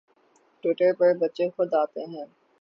Twitter پر بچے خود آتے ہیں